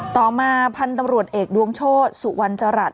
ต่อมาพันธุ์ตำรวจเอกดวงโชธสุวรรณจรัฐ